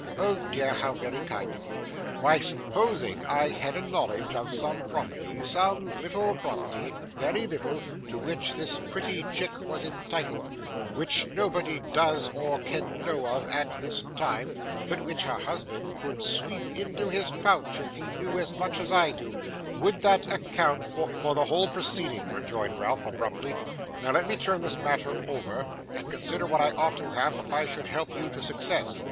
Oh dear, how very kind of you! Why, supposing I had a knowledge of some property some little property very little to which this pretty chick was entitled; which nobody does or can know of at this time, but which her husband could sweep into his pouch, if he knew as much as I do, would that account for ' 'For the whole proceeding,' rejoined Ralph, abruptly. 'Now, let me turn this matter over, and consider what I ought to have if I should help you to success.